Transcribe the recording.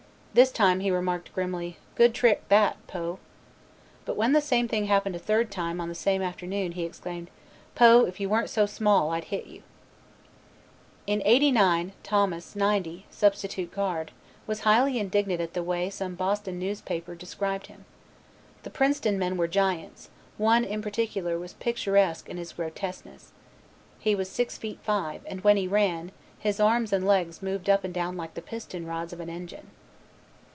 This time he remarked grimly, "Good trick that, Poe." But when the same thing happened a third time on the same afternoon, he exclaimed, "Poe, if you weren't so small, I'd hit you." In '89 Thomas '90, substitute guard, was highly indignant at the way some Boston newspaper described him. "The Princeton men were giants, one in particular was picturesque in his grotesqueness. He was 6 feet 5 and, when he ran, his arms and legs moved up and down like the piston rods of an engine."